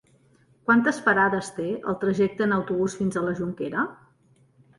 Quantes parades té el trajecte en autobús fins a la Jonquera?